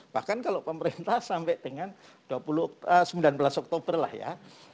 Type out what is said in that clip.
bahkan kalau pemerintah sampai dengan sembilan belas oktober lah ya